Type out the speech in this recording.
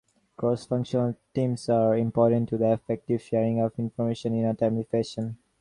Cross-functional teams are important to the effective sharing of information in a timely fashion.